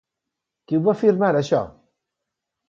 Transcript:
Qui ho va afirmar, això?